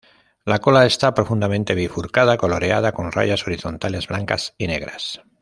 La cola está profundamente bifurcada, coloreada con rayas horizontales blancas y negras.